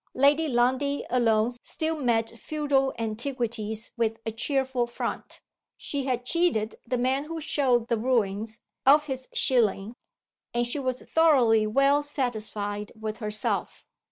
Lady Lundie alone still met feudal antiquities with a cheerful front. She had cheated the man who showed the ruins of his shilling, and she was thoroughly well satisfied with herself.